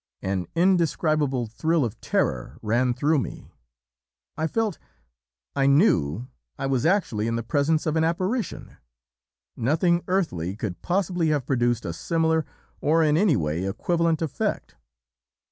An indescribable thrill of terror ran through me. I felt I KNEW I was actually in the presence of an apparition; nothing 'earthly' could possibly have produced a similar or in any way equivalent effect.